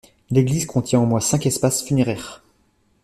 L’église contient au moins cinq espaces funéraires.